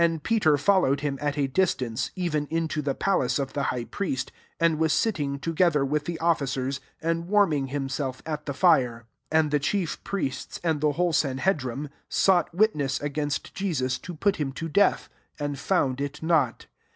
54 And Peter fol lowed him at a distance, even into the palace of the high priest: and was sitting, to gether with the officers, and warming himself, at the fire. 55 And the chief priests, and the whole sanhedrim^ sought witness against Jesus to put him to death ; and found it not.